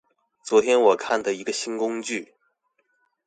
昨天我看的一個新工具